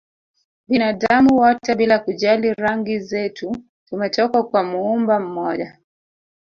Binadamu wote bila kujali rangi zetu tumetoka kwa Muumba mmoja